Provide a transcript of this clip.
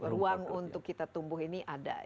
ruang untuk kita tumbuh ini ada